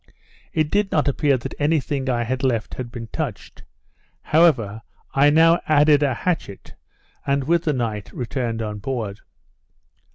It did not appear that any thing I had left had been touched; however, I now added a hatchet, and, with the night, returned on board.